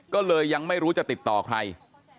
ก็เลยยังไม่รู้จะติดต่อใคร